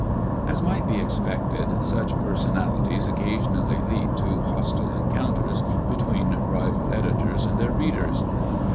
As might be expected, such personalities occasionally lead to hostile encounters between rival editors and their readers.